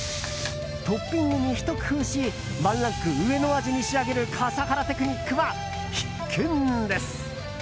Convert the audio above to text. トッピングにひと工夫しワンランク上の味に仕上げる笠原テクニックは必見です。